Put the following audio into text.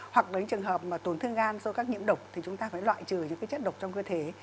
hoặc những trường hợp mà tổn thương gan do các nhiễm độc thì chúng ta phải loại trừ những chất độc trong cơ thể